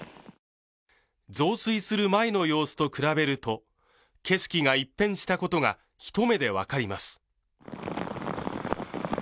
増水する前の様子と比べると景色が一変したことが一目で分かります。